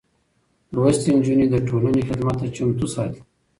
لوستې نجونې د ټولنې خدمت ته چمتو ساتي.